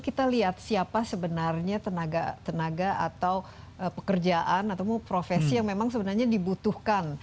kita lihat siapa sebenarnya tenaga atau pekerjaan atau profesi yang memang sebenarnya dibutuhkan